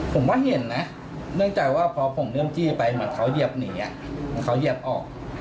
ผมว่าเห็นนะเนื่องจากว่าพอผมเริ่มจี้ไปเหมือนเขาเหยียบหนีเหมือนเขาเหยียบออก